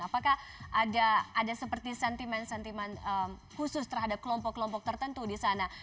apakah ada seperti sentimen sentimen khusus terhadap kelompok kelompok tertentu di sana